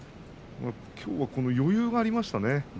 きょうは余裕がありましたね。